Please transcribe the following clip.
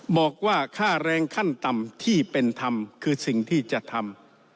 บอกว่าค่าแรงขั้นต่ำที่เป็นธรรมคือสิ่งที่จะทำ